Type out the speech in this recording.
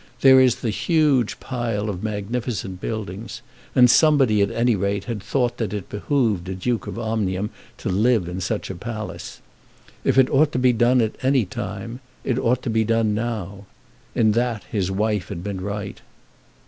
There was the huge pile of magnificent buildings; and somebody, at any rate, had thought that it behoved a Duke of Omnium to live in such a palace. If it ought to be done at any time, it ought to be done now. In that his wife had been right.